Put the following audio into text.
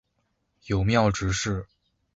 友庙执事。